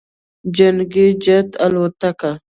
جنګي جت الوتکو